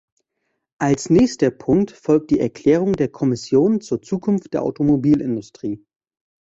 Als nächster Punkt folgt die Erklärung der Kommission zur Zukunft der Automobilindustrie.